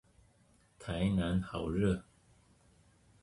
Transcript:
台南好熱